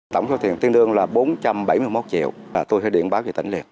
tổng số tiền tiền đương là bốn trăm bảy mươi một triệu tôi sẽ điện báo về tỉnh liền